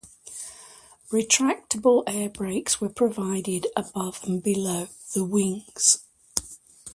Retractable airbrakes were provided above and below the wings.